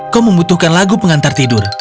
kau membutuhkan lagu pengantar tidur